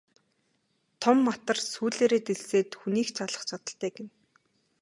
Том матар сүүлээрээ дэлсээд хүнийг ч алах чадалтай гэнэ.